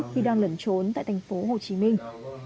khi đang lẩn trốn tại thành phố hồ chí minh